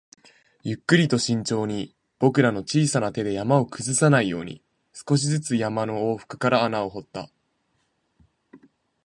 ゆっくりと慎重に、僕らの小さな手で山を崩さないように、少しずつ山の横腹から穴を掘った